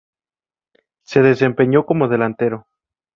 Se desempeñó como delantero.